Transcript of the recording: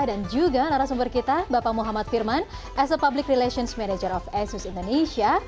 dan juga narasumber kita bapak muhammad firman as a public relations manager of asus indonesia